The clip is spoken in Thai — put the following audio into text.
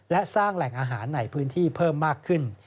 และสร้างแหล่งอาหารในพื้นที่เพิ่มมากขึ้น